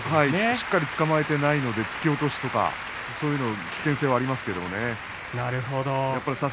しっかりつかまえていないので突き落としとかそういう危険性があります。